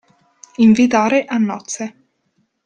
Invitare a nozze.